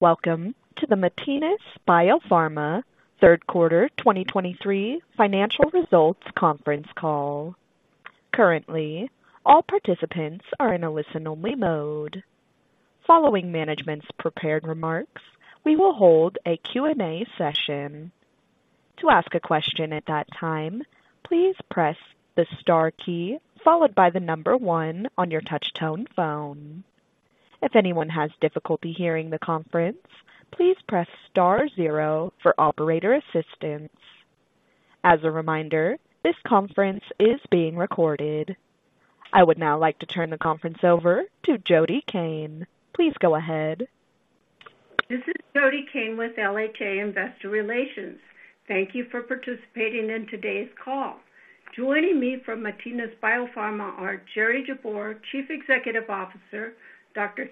Welcome to the Matinas BioPharma Q3 2023 financial results conference call. Currently, all participants are in a listen-only mode. Following management's prepared remarks, we will hold a Q&A session. To ask a question at that time, please press the star key followed by the number one on your touchtone phone. If anyone has difficulty hearing the conference, please press star zero for operator assistance. As a reminder, this conference is being recorded. I would now like to turn the conference over to Jody Cain. Please go ahead. This is Jody Cain with LHA Investor Relations. Thank you for participating in today's call. Joining me from Matinas BioPharma are Jerry Jabbour, Chief Executive Officer, Dr.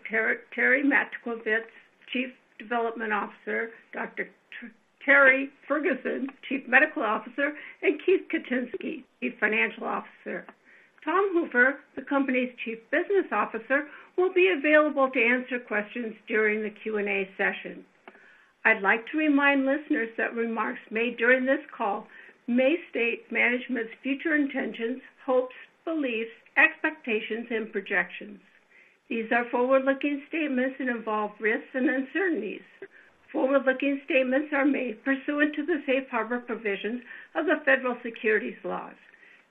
Terry Matkovits, Chief Development Officer, Dr. Terry Ferguson, Chief Medical Officer, and Keith Kucinski, Chief Financial Officer. Tom Hoover, the company's Chief Business Officer, will be available to answer questions during the Q&A session. I'd like to remind listeners that remarks made during this call may state management's future intentions, hopes, beliefs, expectations, and projections. These are forward-looking statements and involve risks and uncertainties. Forward-looking statements are made pursuant to the safe harbor provisions of the Federal Securities laws.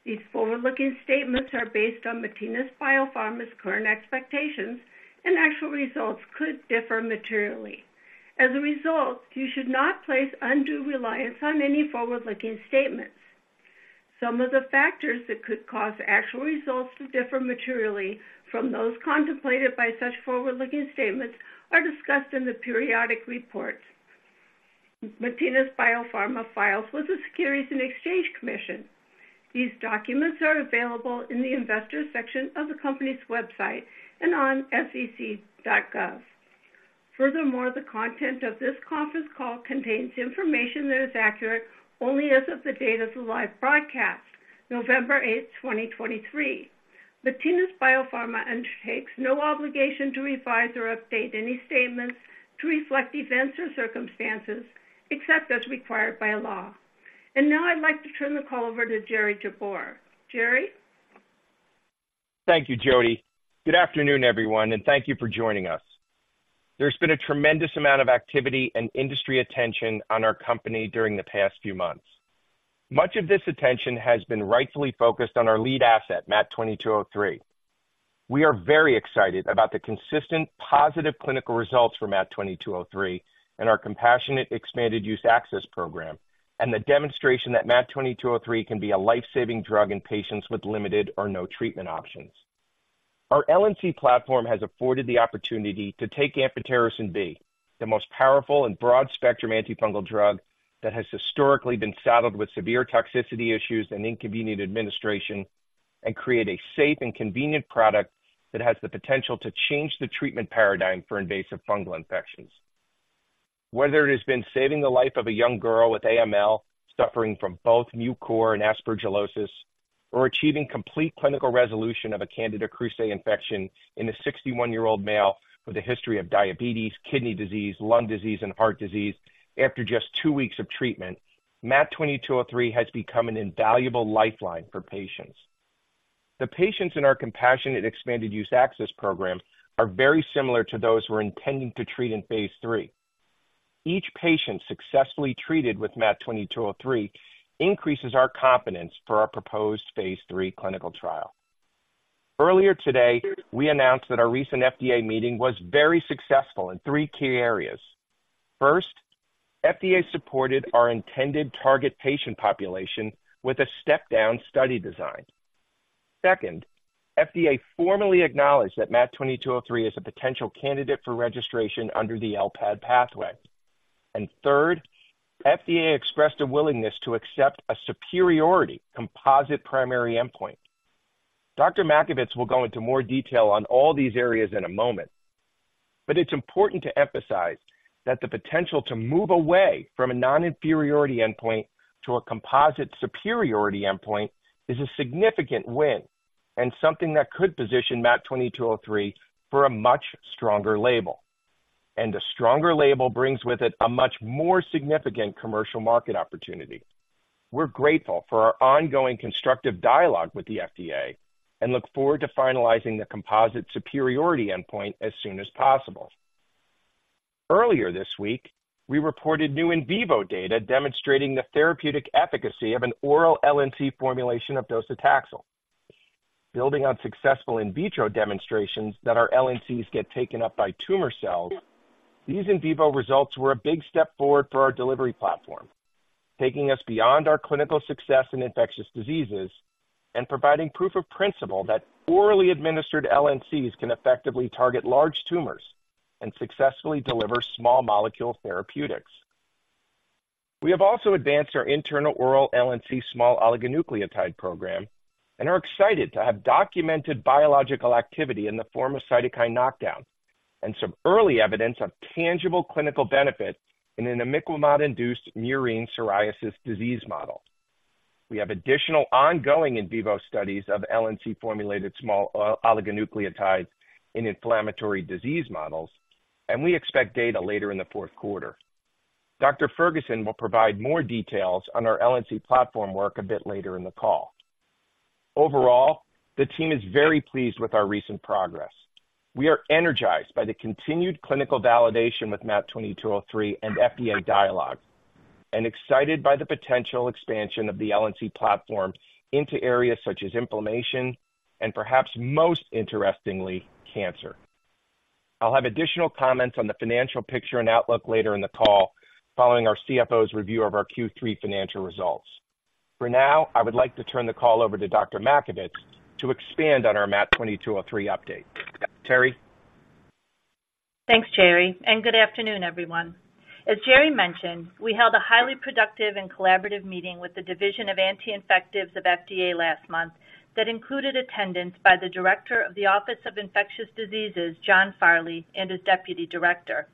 These forward-looking statements are based on Matinas BioPharma's current expectations, and actual results could differ materially. As a result, you should not place undue reliance on any forward-looking statements. Some of the factors that could cause actual results to differ materially from those contemplated by such forward-looking statements are discussed in the periodic report Matinas BioPharma files with the Securities and Exchange Commission. These documents are available in the Investors section of the company's website and on sec.gov. Furthermore, the content of this conference call contains information that is accurate only as of the date of the live broadcast, November 8, 2023. Matinas BioPharma undertakes no obligation to revise or update any statements to reflect events or circumstances, except as required by law. Now I'd like to turn the call over to Jerry Jabbour. Jerry? Thank you, Jody. Good afternoon, everyone, and thank you for joining us. There's been a tremendous amount of activity and industry attention on our company during the past few months. Much of this attention has been rightfully focused on our lead asset, MAT2203. We are very excited about the consistent positive clinical results from MAT2203 and our compassionate expanded use access program, and the demonstration that MAT2203 can be a life-saving drug in patients with limited or no treatment options. Our LNC platform has afforded the opportunity to take amphotericin B, the most powerful and broad-spectrum antifungal drug that has historically been saddled with severe toxicity issues and inconvenient administration, and create a safe and convenient product that has the potential to change the treatment paradigm for invasive fungal infections. Whether it has been saving the life of a young girl with AML, suffering from both Mucor and aspergillosis, or achieving complete clinical resolution of a Candida krusei infection in a 61-year-old male with a history of diabetes, kidney disease, lung disease, and heart disease after just two weeks of treatment, MAT2203 has become an invaluable lifeline for patients. The patients in our compassionate expanded use access program are very similar to those we're intending to treat in phase three. Each patient successfully treated with MAT2203 increases our confidence for our proposed phase three clinical trial. Earlier today, we announced that our recent FDA meeting was very successful in three key areas. First, FDA supported our intended target patient population with a step-down study design. Second, FDA formally acknowledged that MAT2203 is a potential candidate for registration under the LPAD pathway. Third, FDA expressed a willingness to accept a superiority composite primary endpoint. Dr. Matkovits will go into more detail on all these areas in a moment, but it's important to emphasize that the potential to move away from a non-inferiority endpoint to a composite superiority endpoint is a significant win and something that could position MAT2203 for a much stronger label. A stronger label brings with it a much more significant commercial market opportunity. We're grateful for our ongoing constructive dialogue with the FDA and look forward to finalizing the composite superiority endpoint as soon as possible. Earlier this week, we reported new in vivo data demonstrating the therapeutic efficacy of an oral LNC formulation of docetaxel. Building on successful in vitro demonstrations that our LNCs get taken up by tumor cells, these in vivo results were a big step forward for our delivery platform, taking us beyond our clinical success in infectious diseases and providing proof of principle that orally administered LNCs can effectively target large tumors and successfully deliver small molecule therapeutics. We have also advanced our internal oral LNC small oligonucleotide program and are excited to have documented biological activity in the form of cytokine knockdown and some early evidence of tangible clinical benefit in an imiquimod-induced murine psoriasis disease model. We have additional ongoing in vivo studies of LNC-formulated small oligonucleotides in inflammatory disease models, and we expect data later in the Q4. Dr. Ferguson will provide more details on our LNC platform work a bit later in the call. Overall, the team is very pleased with our recent progress. We are energized by the continued clinical validation with MAT2203 and FDA dialogue, and excited by the potential expansion of the LNC platform into areas such as inflammation and perhaps most interestingly, cancer. I'll have additional comments on the financial picture and outlook later in the call, following our CFO's review of our Q3 financial results. For now, I would like to turn the call over to Dr. Matkovits to expand on our MAT2203 update. Terry? Thanks, Jerry, and good afternoon, everyone. As Jerry mentioned, we held a highly productive and collaborative meeting with the Division of Anti-Infectives of FDA last month, that included attendance by the Director of the Office of Infectious Diseases, John Farley, and his deputy director.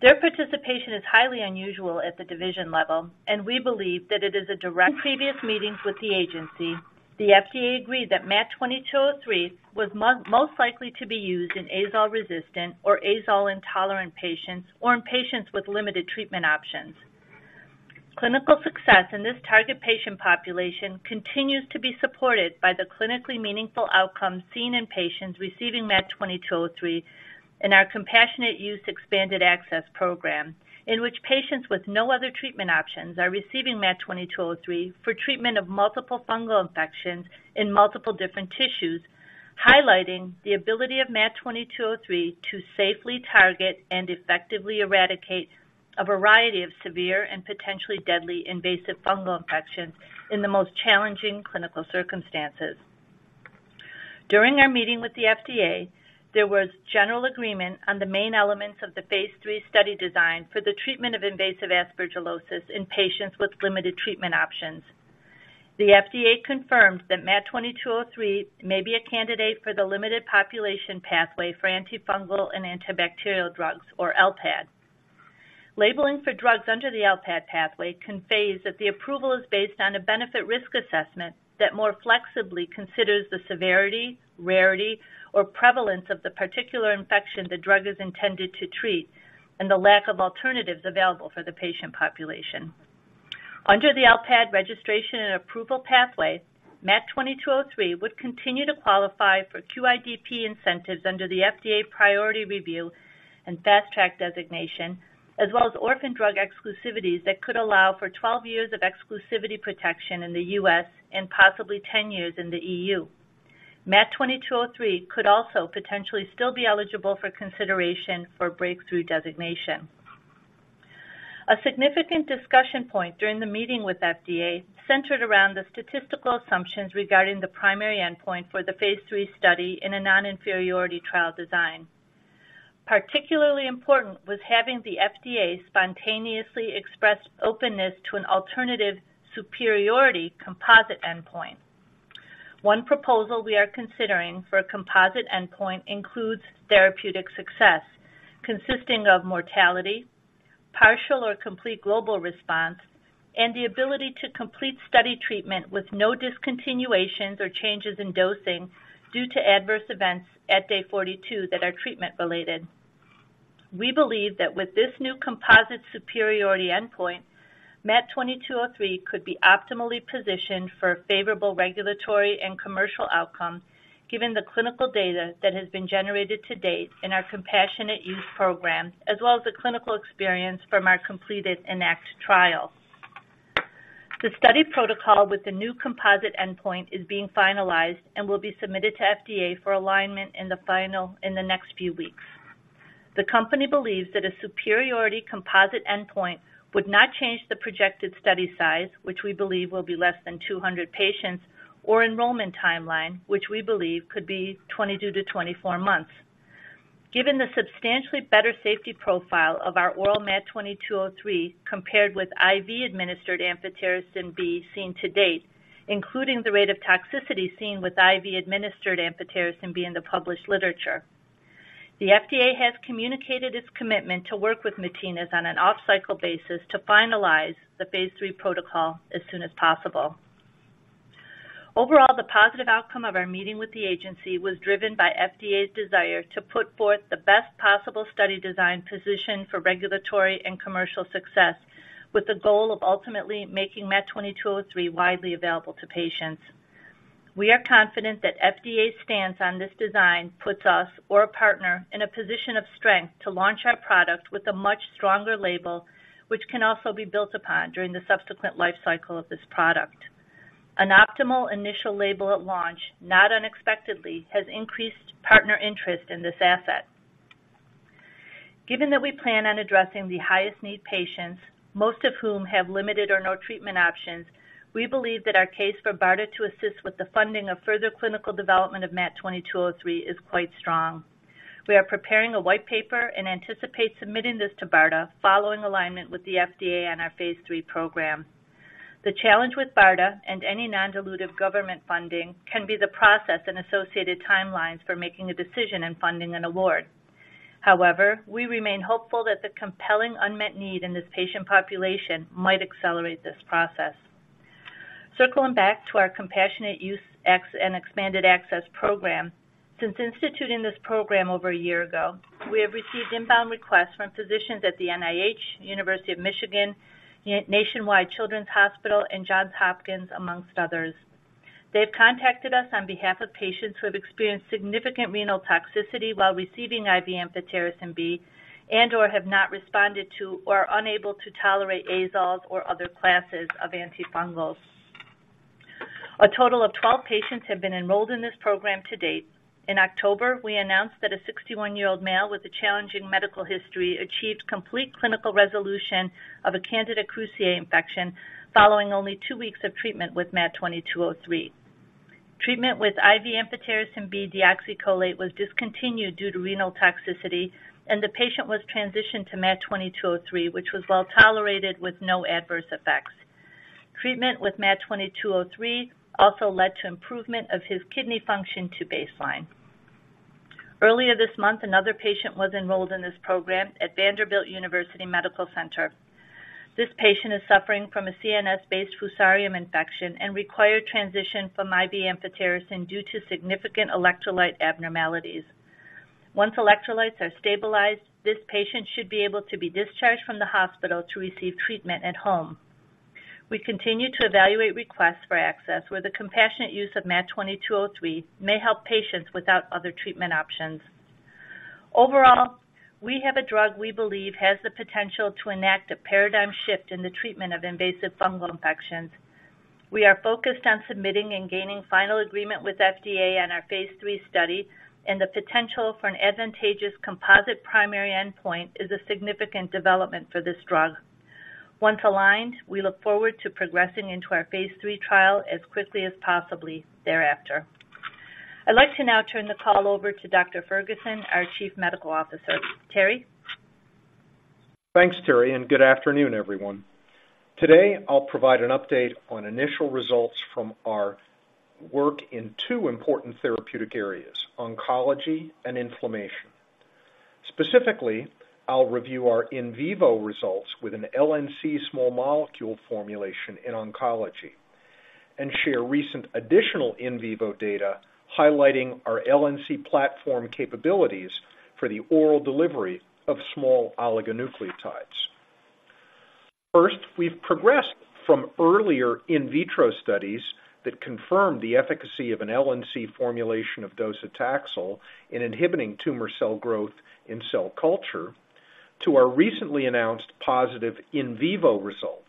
Their participation is highly unusual at the division level, and we believe that it is a direct... In previous meetings with the agency, the FDA agreed that MAT2203 was most, most likely to be used in azole-resistant or azole-intolerant patients or in patients with limited treatment options. Clinical success in this target patient population continues to be supported by the clinically meaningful outcomes seen in patients receiving MAT2203 in our Compassionate Use Expanded Access Program, in which patients with no other treatment options are receiving MAT2203 for treatment of multiple fungal infections in multiple different tissues, highlighting the ability of MAT2203 to safely target and effectively eradicate a variety of severe and potentially deadly invasive fungal infections in the most challenging clinical circumstances. During our meeting with the FDA, there was general agreement on the main elements of the phase 3 study design for the treatment of invasive aspergillosis in patients with limited treatment options. The FDA confirmed that MAT2203 may be a candidate for the Limited Population Pathway for Antifungal and Antibacterial Drugs or LPAD. Labeling for drugs under the LPAD pathway conveys that the approval is based on a benefit-risk assessment that more flexibly considers the severity, rarity, or prevalence of the particular infection the drug is intended to treat, and the lack of alternatives available for the patient population. Under the LPAD registration and approval pathway, MAT2203 would continue to qualify for QIDP incentives under the FDA priority review and Fast Track designation, as well as orphan drug exclusivities that could allow for 12 years of exclusivity protection in the U.S. and possibly 10 years in the EU. MAT2203 could also potentially still be eligible for consideration for breakthrough designation. A significant discussion point during the meeting with FDA centered around the statistical assumptions regarding the primary endpoint for the phase 3 study in a non-inferiority trial design. Particularly important was having the FDA spontaneously express openness to an alternative superiority composite endpoint. One proposal we are considering for a composite endpoint includes therapeutic success, consisting of mortality, partial or complete global response, and the ability to complete study treatment with no discontinuations or changes in dosing due to adverse events at day 42 that are treatment-related. We believe that with this new composite superiority endpoint, MAT2203 could be optimally positioned for a favorable regulatory and commercial outcome, given the clinical data that has been generated to date in our compassionate use program, as well as the clinical experience from our completed EnACT trial. The study protocol with the new composite endpoint is being finalized and will be submitted to FDA for alignment in the final, in the next few weeks. The company believes that a superiority composite endpoint would not change the projected study size, which we believe will be less than 200 patients, or enrollment timeline, which we believe could be 22-24 months. Given the substantially better safety profile of our oral MAT2203, compared with IV-administered amphotericin B seen to date, including the rate of toxicity seen with IV-administered amphotericin B in the published literature. The FDA has communicated its commitment to work with Matinas on an off-cycle basis to finalize the phase 3 protocol as soon as possible. Overall, the positive outcome of our meeting with the agency was driven by FDA's desire to put forth the best possible study design position for regulatory and commercial success, with the goal of ultimately making MAT2203 widely available to patients. We are confident that FDA's stance on this design puts us or a partner in a position of strength to launch our product with a much stronger label, which can also be built upon during the subsequent life cycle of this product. An optimal initial label at launch, not unexpectedly, has increased partner interest in this asset. Given that we plan on addressing the highest need patients, most of whom have limited or no treatment options, we believe that our case for BARDA to assist with the funding of further clinical development of MAT2203 is quite strong. We are preparing a white paper and anticipate submitting this to BARDA following alignment with the FDA on our phase 3 program. The challenge with BARDA and any non-dilutive government funding can be the process and associated timelines for making a decision and funding an award... However, we remain hopeful that the compelling unmet need in this patient population might accelerate this process. Circling back to our Compassionate Use, Expanded Access program, since instituting this program over a year ago, we have received inbound requests from physicians at the NIH, University of Michigan, Nationwide Children's Hospital, and Johns Hopkins, among others. They've contacted us on behalf of patients who have experienced significant renal toxicity while receiving IV amphotericin B and/or have not responded to or are unable to tolerate azoles or other classes of antifungals. A total of 12 patients have been enrolled in this program to date. In October, we announced that a 61-year-old male with a challenging medical history achieved complete clinical resolution of a Candida krusei infection following only 2 weeks of treatment with MAT2203. Treatment with IV amphotericin B deoxycholate was discontinued due to renal toxicity, and the patient was transitioned to MAT2203, which was well-tolerated with no adverse effects. Treatment with MAT2203 also led to improvement of his kidney function to baseline. Earlier this month, another patient was enrolled in this program at Vanderbilt University Medical Center. This patient is suffering from a CNS-based Fusarium infection and required transition from IV amphotericin due to significant electrolyte abnormalities. Once electrolytes are stabilized, this patient should be able to be discharged from the hospital to receive treatment at home. We continue to evaluate requests for access, where the compassionate use of MAT2203 may help patients without other treatment options. Overall, we have a drug we believe has the potential to enact a paradigm shift in the treatment of invasive fungal infections. We are focused on submitting and gaining final agreement with FDA on our phase 3 study, and the potential for an advantageous composite primary endpoint is a significant development for this drug. Once aligned, we look forward to progressing into our phase 3 trial as quickly as possible thereafter. I'd like to now turn the call over to Dr. Ferguson, our Chief Medical Officer. Terry? Thanks, Theresa, and good afternoon, everyone. Today, I'll provide an update on initial results from our work in two important therapeutic areas, oncology and inflammation. Specifically, I'll review our in vivo results with an LNC small molecule formulation in oncology and share recent additional in vivo data highlighting our LNC platform capabilities for the oral delivery of small oligonucleotides. First, we've progressed from earlier in vitro studies that confirmed the efficacy of an LNC formulation of docetaxel in inhibiting tumor cell growth in cell culture to our recently announced positive in vivo results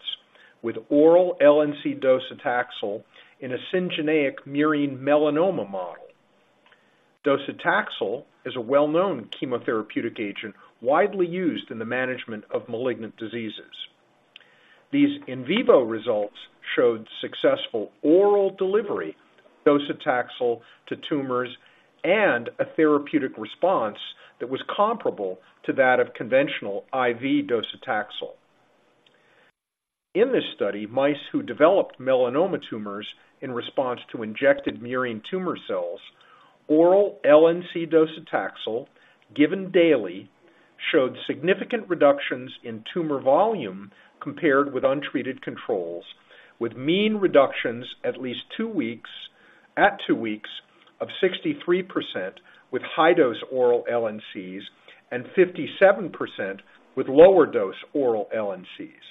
with oral LNC docetaxel in a syngeneic murine melanoma model. Docetaxel is a well-known chemotherapeutic agent, widely used in the management of malignant diseases. These in vivo results showed successful oral delivery docetaxel to tumors and a therapeutic response that was comparable to that of conventional IV docetaxel. In this study, mice who developed melanoma tumors in response to injected murine tumor cells, oral LNC docetaxel, given daily, showed significant reductions in tumor volume compared with untreated controls, with mean reductions at 2 weeks of 63% with high-dose oral LNCs and 57% with lower-dose oral LNCs.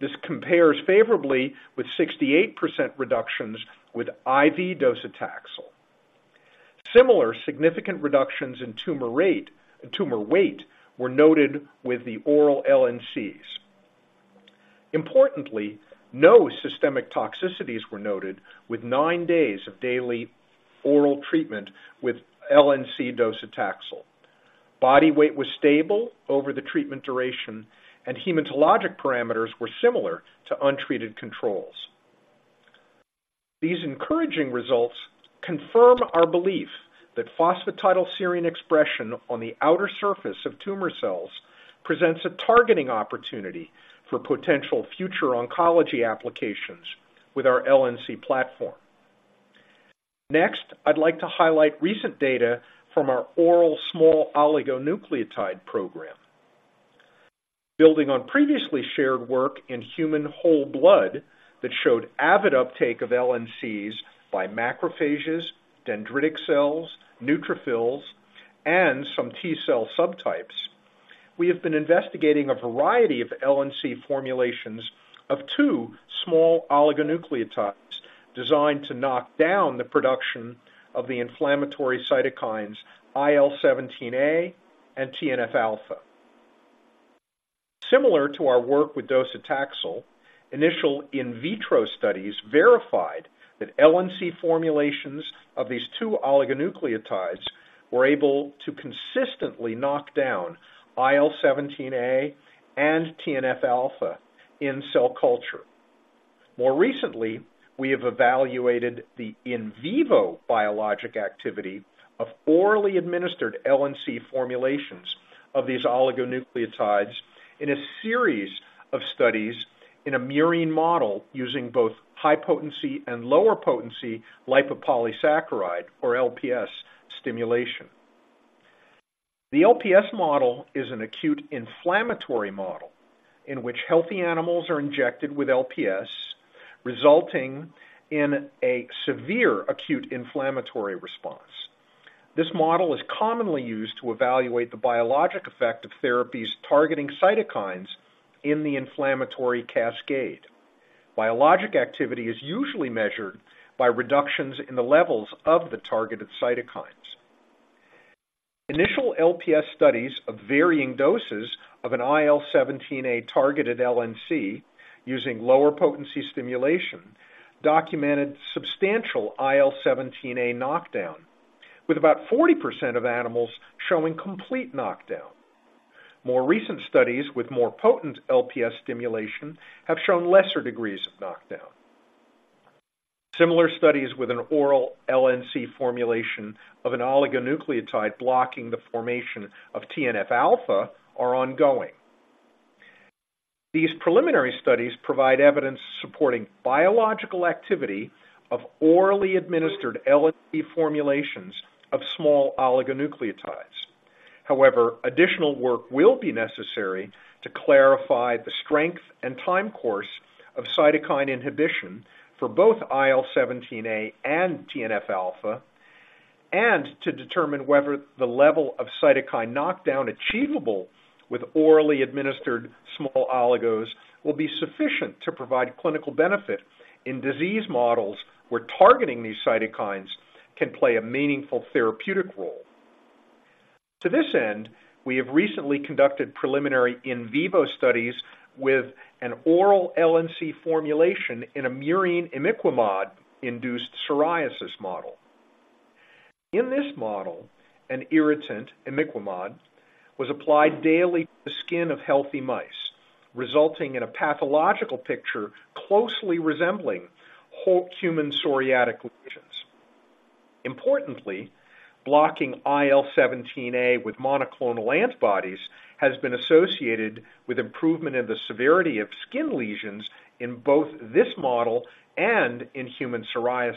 This compares favorably with 68% reductions with IV docetaxel. Similar significant reductions in tumor rate, in tumor weight were noted with the oral LNCs. Importantly, no systemic toxicities were noted with 9 days of daily oral treatment with LNC docetaxel. Body weight was stable over the treatment duration, and hematologic parameters were similar to untreated controls. These encouraging results confirm our belief that phosphatidylserine expression on the outer surface of tumor cells presents a targeting opportunity for potential future oncology applications with our LNC platform. Next, I'd like to highlight recent data from our oral small oligonucleotide program. Building on previously shared work in human whole blood that showed avid uptake of LNCs by macrophages, dendritic cells, neutrophils, and some T cell subtypes, we have been investigating a variety of LNC formulations of two small oligonucleotides designed to knock down the production of the inflammatory cytokines IL-17A and TNF-alpha. Similar to our work with docetaxel, initial in vitro studies verified that LNC formulations of these two oligonucleotides were able to consistently knock down IL-17A and TNF-alpha in cell culture. More recently, we have evaluated the in vivo biologic activity of orally administered LNC formulations of these oligonucleotides in a series of studies in a murine model using both high potency and lower potency lipopolysaccharide, or LPS, stimulation. The LPS model is an acute inflammatory model in which healthy animals are injected with LPS, resulting in a severe acute inflammatory response. This model is commonly used to evaluate the biologic effect of therapies targeting cytokines in the inflammatory cascade. Biologic activity is usually measured by reductions in the levels of the targeted cytokines. Initial LPS studies of varying doses of an IL-17A-targeted LNC using lower potency stimulation, documented substantial IL-17A knockdown, with about 40% of animals showing complete knockdown. More recent studies with more potent LPS stimulation have shown lesser degrees of knockdown. Similar studies with an oral LNC formulation of an oligonucleotide blocking the formation of TNF-alpha are ongoing. These preliminary studies provide evidence supporting biological activity of orally administered LNC formulations of small oligonucleotides. However, additional work will be necessary to clarify the strength and time course of cytokine inhibition for both IL-17A and TNF-alpha, and to determine whether the level of cytokine knockdown achievable with orally administered small oligos will be sufficient to provide clinical benefit in disease models, where targeting these cytokines can play a meaningful therapeutic role. To this end, we have recently conducted preliminary in vivo studies with an oral LNC formulation in a murine imiquimod-induced psoriasis model. In this model, an irritant, imiquimod, was applied daily to the skin of healthy mice, resulting in a pathological picture closely resembling whole human psoriatic lesions. Importantly, blocking IL-17A with monoclonal antibodies has been associated with improvement in the severity of skin lesions in both this model and in human psoriasis.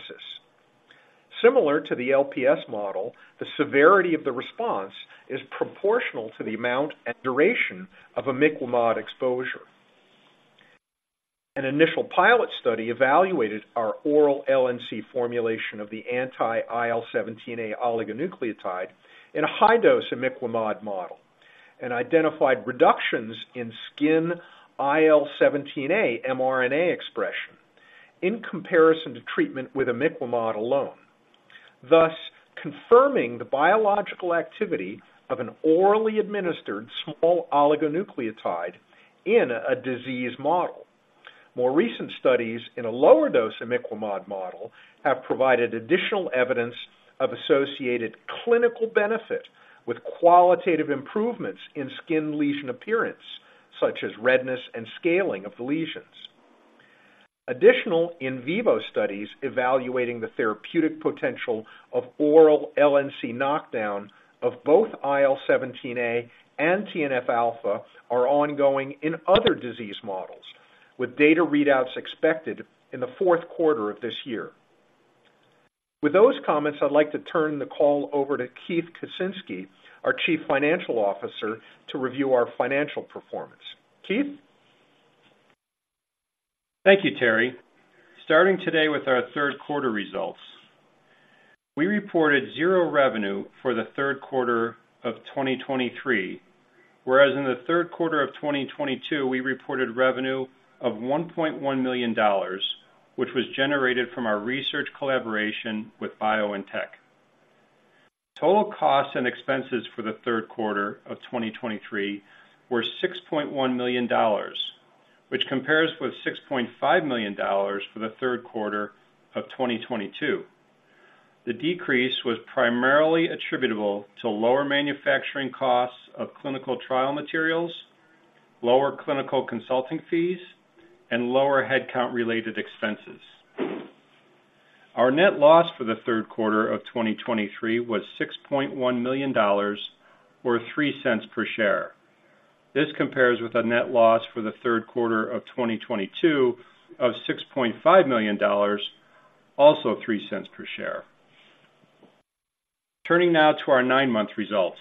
Similar to the LPS model, the severity of the response is proportional to the amount and duration of imiquimod exposure. An initial pilot study evaluated our oral LNC formulation of the anti-IL-17A oligonucleotide in a high-dose imiquimod model, and identified reductions in skin IL-17A mRNA expression in comparison to treatment with imiquimod alone, thus confirming the biological activity of an orally administered small oligonucleotide in a disease model. More recent studies in a lower dose imiquimod model have provided additional evidence of associated clinical benefit, with qualitative improvements in skin lesion appearance, such as redness and scaling of the lesions. Additional in vivo studies evaluating the therapeutic potential of oral LNC knockdown of both IL-17A and TNF-alpha are ongoing in other disease models, with data readouts expected in the fourth quarter of this year. With those comments, I'd like to turn the call over to Keith Kucinski, our Chief Financial Officer, to review our financial performance. Keith? Thank you, Terry. Starting today with our Q3 results, we reported $0 revenue for the Q3 of 2023, whereas in the third quarter of 2022, we reported revenue of $1.1 million, which was generated from our research collaboration with BioNTech. Total costs and expenses for the Q3 of 2023 were $6.1 million, which compares with $6.5 million for the Q3 of 2022. The decrease was primarily attributable to lower manufacturing costs of clinical trial materials, lower clinical consulting fees, and lower headcount-related expenses. Our net loss for the Q3 of 2023 was $6.1 million, or 3 cents per share. This compares with a net loss for the Q3 of 2022 of $6.5 million, also 3 cents per share. Turning now to our 9-month results.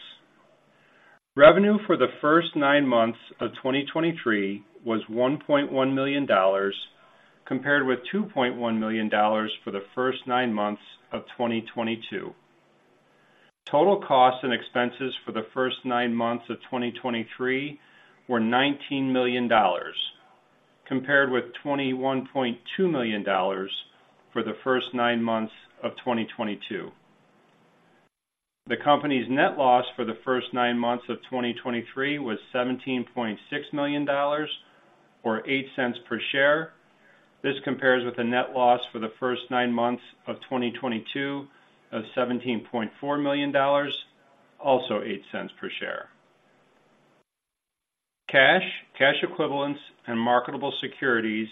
Revenue for the first 9 months of 2023 was $1.1 million, compared with $2.1 million for the first 9 months of 2022. Total costs and expenses for the first 9 months of 2023 were $19 million, compared with $21.2 million for the first 9 months of 2022. The company's net loss for the first 9 months of 2023 was $17.6 million, or $0.08 per share. This compares with a net loss for the first 9 months of 2022 of $17.4 million, also $0.08 per share.... Cash, cash equivalents, and marketable securities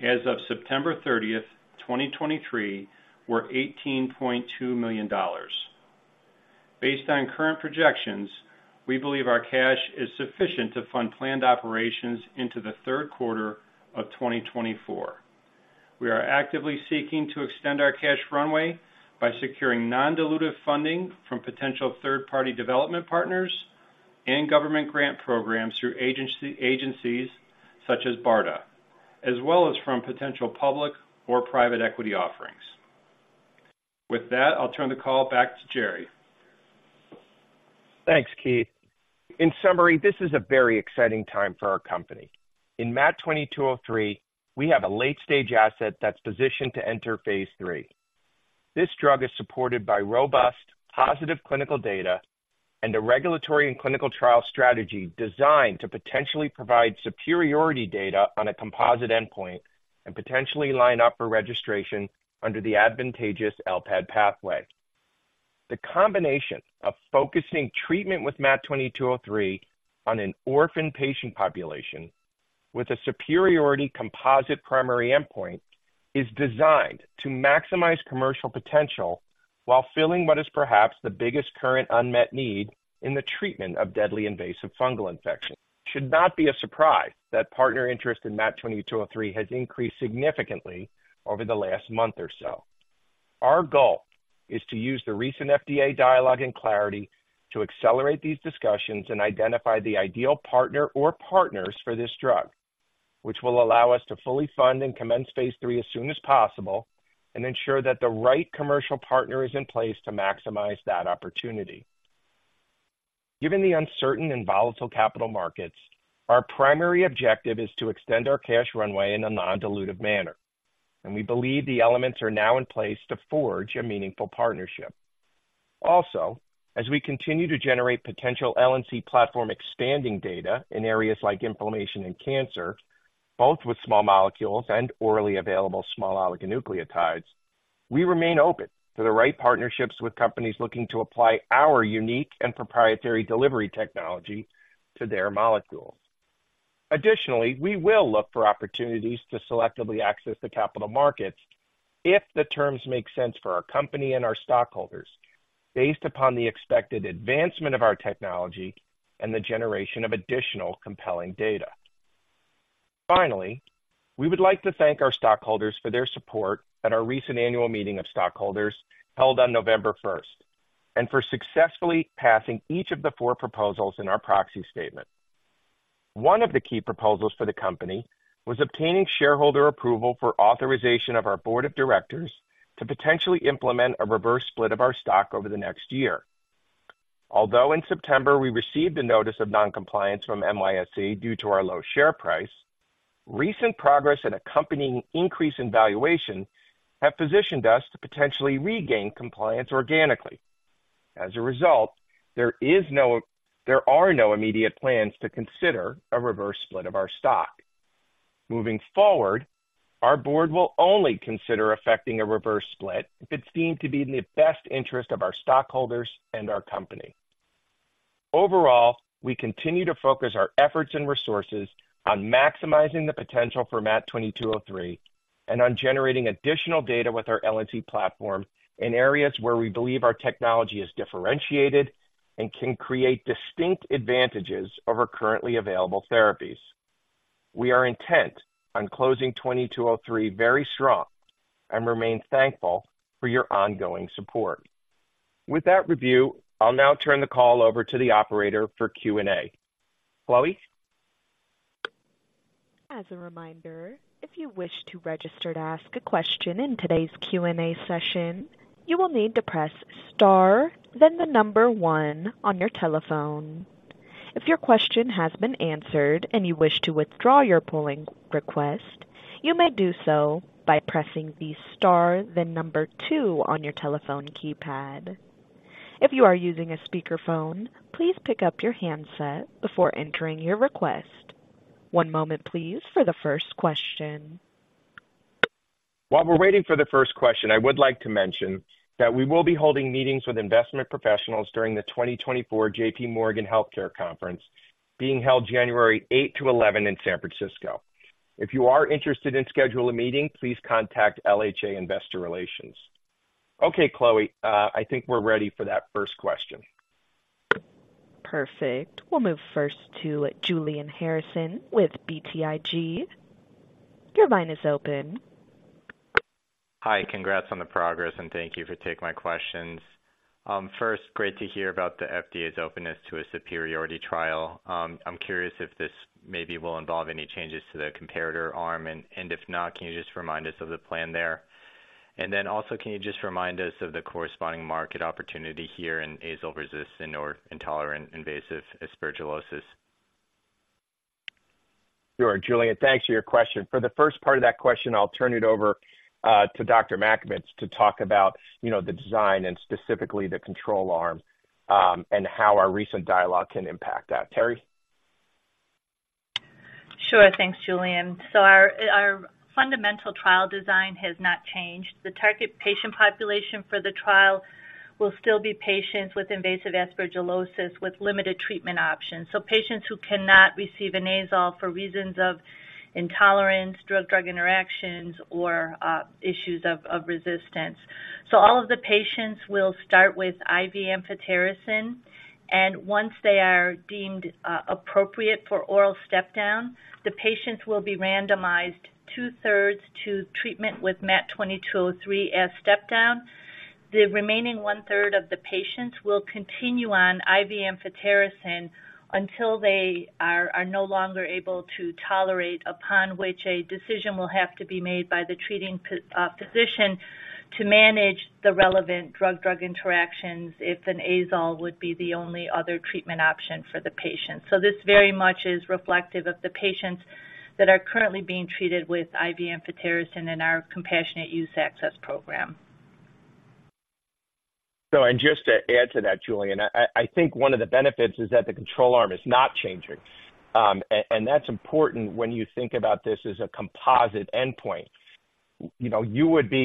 as of September 30th, 2023, were $18.2 million. Based on current projections, we believe our cash is sufficient to fund planned operations into the Q3 of 2024. We are actively seeking to extend our cash runway by securing non-dilutive funding from potential third-party development partners and government grant programs through agencies such as BARDA, as well as from potential public or private equity offerings. With that, I'll turn the call back to Jerry. Thanks, Keith. In summary, this is a very exciting time for our company. In MAT2203, we have a late-stage asset that's positioned to enter phase 3. This drug is supported by robust, positive clinical data and a regulatory and clinical trial strategy designed to potentially provide superiority data on a composite endpoint and potentially line up for registration under the advantageous LPAD pathway. The combination of focusing treatment with MAT2203 on an orphan patient population with a superiority composite primary endpoint is designed to maximize commercial potential while filling what is perhaps the biggest current unmet need in the treatment of deadly invasive fungal infection. Should not be a surprise that partner interest in MAT2203 has increased significantly over the last month or so. Our goal is to use the recent FDA dialogue and clarity to accelerate these discussions and identify the ideal partner or partners for this drug, which will allow us to fully fund and commence Phase III as soon as possible and ensure that the right commercial partner is in place to maximize that opportunity. Given the uncertain and volatile capital markets, our primary objective is to extend our cash runway in a non-dilutive manner, and we believe the elements are now in place to forge a meaningful partnership. Also, as we continue to generate potential LNC platform expanding data in areas like inflammation and cancer, both with small molecules and orally available small oligonucleotides, we remain open to the right partnerships with companies looking to apply our unique and proprietary delivery technology to their molecules. Additionally, we will look for opportunities to selectively access the capital markets if the terms make sense for our company and our stockholders, based upon the expected advancement of our technology and the generation of additional compelling data. Finally, we would like to thank our stockholders for their support at our recent annual meeting of stockholders held on November first, and for successfully passing each of the four proposals in our proxy statement. One of the key proposals for the company was obtaining shareholder approval for authorization of our board of directors to potentially implement a reverse split of our stock over the next year. Although in September, we received a notice of non-compliance from NYSE due to our low share price, recent progress and accompanying increase in valuation have positioned us to potentially regain compliance organically. As a result, there are no immediate plans to consider a reverse split of our stock. Moving forward, our board will only consider effecting a reverse split if it's deemed to be in the best interest of our stockholders and our company. Overall, we continue to focus our efforts and resources on maximizing the potential for MAT2203 and on generating additional data with our LNC platform in areas where we believe our technology is differentiated and can create distinct advantages over currently available therapies. We are intent on closing 2203 very strong and remain thankful for your ongoing support. With that review, I'll now turn the call over to the operator for Q&A. Chloe? As a reminder, if you wish to register to ask a question in today's Q&A session, you will need to press star, then the number one on your telephone. If your question has been answered and you wish to withdraw your polling request, you may do so by pressing the star, then number two on your telephone keypad. If you are using a speakerphone, please pick up your handset before entering your request. One moment, please, for the first question. While we're waiting for the first question, I would like to mention that we will be holding meetings with investment professionals during the 2024 J.P. Morgan Healthcare Conference, being held January 8-11 in San Francisco. If you are interested in scheduling a meeting, please contact LHA Investor Relations. Okay, Chloe, I think we're ready for that first question. Perfect. We'll move first to Julian Harrison with BTIG. Your line is open. Hi, congrats on the progress, and thank you for taking my questions. First, great to hear about the FDA's openness to a superiority trial. I'm curious if this maybe will involve any changes to the comparator arm, and, and if not, can you just remind us of the plan there? And then also, can you just remind us of the corresponding market opportunity here in azole-resistant or intolerant invasive aspergillosis? Sure, Julian, thanks for your question. For the first part of that question, I'll turn it over to Dr. Matkovits to talk about, you know, the design and specifically the control arm, and how our recent dialogue can impact that. Terry?... Sure. Thanks, Julian. So our, our fundamental trial design has not changed. The target patient population for the trial will still be patients with invasive aspergillosis with limited treatment options, so patients who cannot receive an azole for reasons of intolerance, drug-drug interactions, or, issues of, of resistance. So all of the patients will start with IV amphotericin, and once they are deemed, appropriate for oral step-down, the patients will be randomized 2/3 to treatment with MAT2203 as step-down. The remaining 1/3 of the patients will continue on IV amphotericin until they are no longer able to tolerate, upon which a decision will have to be made by the treating physician to manage the relevant drug-drug interactions if an azole would be the only other treatment option for the patient. So this very much is reflective of the patients that are currently being treated with IV amphotericin in our Compassionate Use Access Program. So, and just to add to that, Julian, I think one of the benefits is that the control arm is not changing. And that's important when you think about this as a composite endpoint. You know,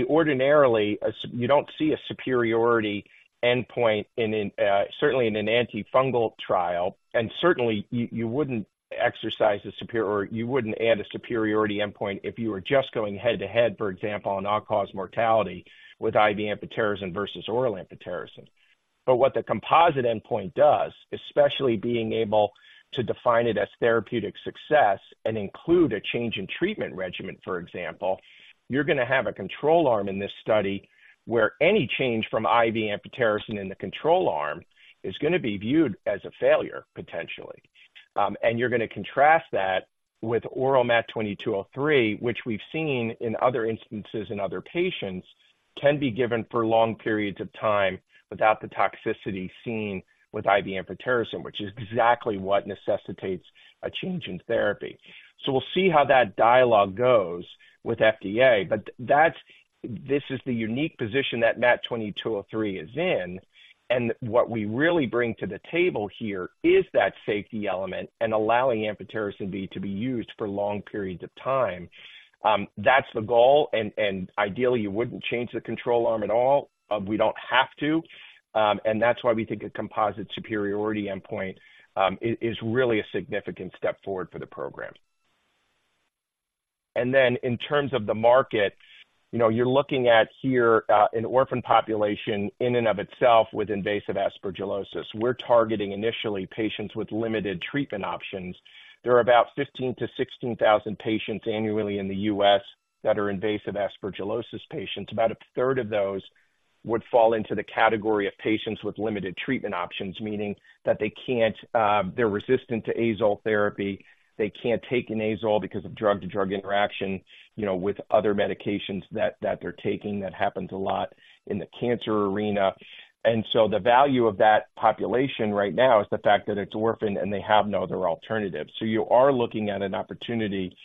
ordinarily you don't see a superiority endpoint in an antifungal trial, certainly, and certainly, you wouldn't exercise a superior. You wouldn't add a superiority endpoint if you were just going head-to-head, for example, on all-cause mortality with IV amphotericin versus oral amphotericin. But what the composite endpoint does, especially being able to define it as therapeutic success and include a change in treatment regimen, for example, you're gonna have a control arm in this study, where any change from IV amphotericin in the control arm is gonna be viewed as a failure, potentially. And you're gonna contrast that with oral MAT2203, which we've seen in other instances in other patients, can be given for long periods of time without the toxicity seen with IV amphotericin, which is exactly what necessitates a change in therapy. So we'll see how that dialogue goes with FDA, but that's this is the unique position that MAT2203 is in, and what we really bring to the table here is that safety element and allowing amphotericin B to be used for long periods of time. That's the goal, and, and ideally, you wouldn't change the control arm at all. We don't have to, and that's why we think a composite superiority endpoint is really a significant step forward for the program. And then in terms of the market, you know, you're looking at here, an orphan population in and of itself with invasive aspergillosis. We're targeting initially patients with limited treatment options. There are about 15,000-16,000 patients annually in the U.S. that are invasive aspergillosis patients. About a third of those would fall into the category of patients with limited treatment options, meaning that they can't, they're resistant to azole therapy. They can't take an azole because of drug-to-drug interaction, you know, with other medications that, that they're taking. That happens a lot in the cancer arena. And so the value of that population right now is the fact that it's orphan, and they have no other alternative. So you are looking at an opportunity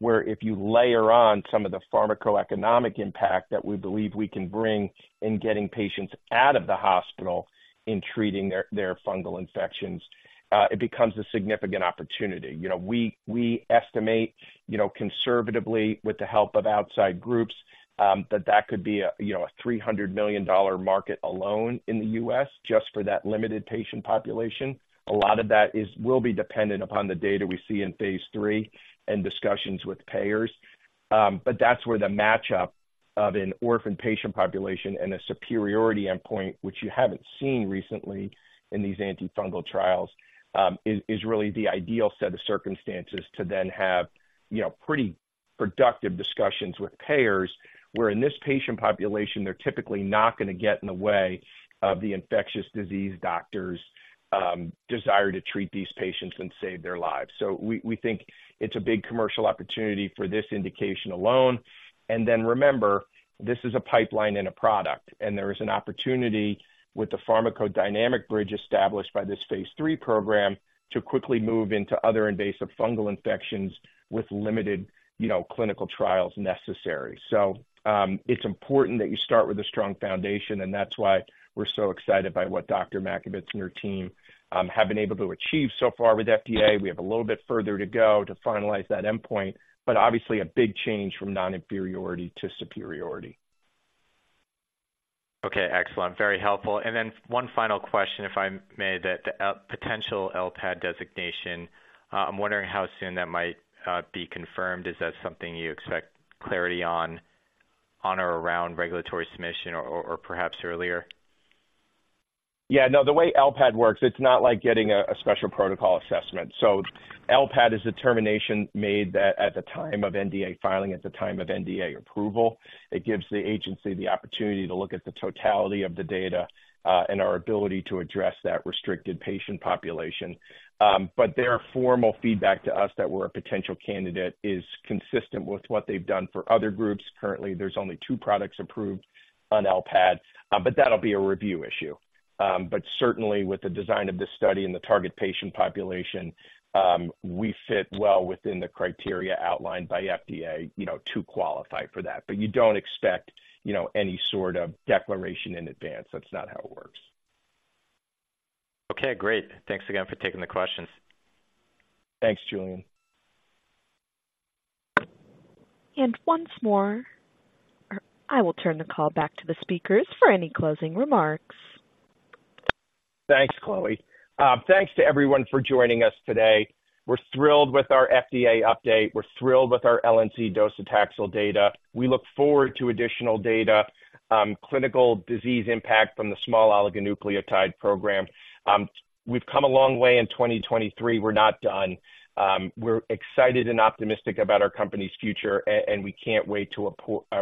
where if you layer on some of the pharmacoeconomic impact that we believe we can bring in getting patients out of the hospital in treating their fungal infections, it becomes a significant opportunity. You know, we estimate, you know, conservatively, with the help of outside groups, that that could be a $300 million market alone in the U.S. just for that limited patient population. A lot of that is, will be dependent upon the data we see in phase 3 and discussions with payers. But that's where the match-up of an orphan patient population and a superiority endpoint, which you haven't seen recently in these antifungal trials, is really the ideal set of circumstances to then have, you know, pretty productive discussions with payers. Where in this patient population, they're typically not gonna get in the way of the infectious disease doctors' desire to treat these patients and save their lives. So we think it's a big commercial opportunity for this indication alone, and then remember, this is a pipeline and a product, and there is an opportunity with the pharmacodynamic bridge established by this Phase 3 program to quickly move into other invasive fungal infections with limited, you know, clinical trials necessary. So, it's important that you start with a strong foundation, and that's why we're so excited by what Dr. Matkovits and her team have been able to achieve so far with FDA. We have a little bit further to go to finalize that endpoint, but obviously a big change from non-inferiority to superiority. Okay, excellent. Very helpful. And then one final question, if I may, that potential LPAD designation. I'm wondering how soon that might be confirmed. Is that something you expect clarity on or around regulatory submission or perhaps earlier? Yeah. No, the way LPAD works, it's not like getting a special protocol assessment. So LPAD is a determination made that at the time of NDA filing, at the time of NDA approval, it gives the agency the opportunity to look at the totality of the data, and our ability to address that restricted patient population. But their formal feedback to us that we're a potential candidate is consistent with what they've done for other groups. Currently, there's only two products approved on LPAD, but that'll be a review issue. But certainly, with the design of this study and the target patient population, we fit well within the criteria outlined by FDA, you know, to qualify for that. But you don't expect, you know, any sort of declaration in advance. That's not how it works. Okay, great. Thanks again for taking the questions. Thanks, Julian. Once more, I will turn the call back to the speakers for any closing remarks. Thanks, Chloe. Thanks to everyone for joining us today. We're thrilled with our FDA update. We're thrilled with our LNC docetaxel data. We look forward to additional data on clinical disease impact from the small oligonucleotide program. We've come a long way in 2023. We're not done. We're excited and optimistic about our company's future, and we can't wait to report-